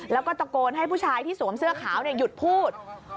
แล้วก็ตะโกนให้ผู้ชายที่สวมเสื้อขาวหยุดพูด